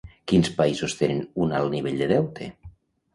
Quins països tenen un alt nivell de deute?